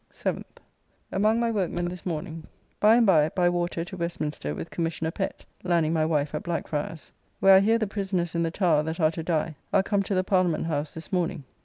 7th. Among my workmen this morning. By and by by water to Westminster with Commissioner Pett (landing my wife at Black Friars) where I hear the prisoners in the Tower that are to die are come to the Parliament house this morning.